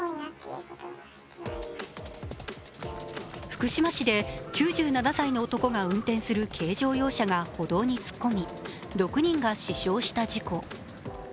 福島市で９７歳の男が運転する軽乗用車が歩道に突っ込み、６人が死傷した事故。